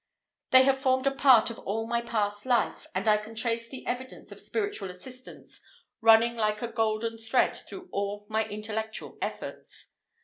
They have formed a part of all my past life, and I can trace the evidence of spiritual assistance running like a golden thread through all my intellectual efforts.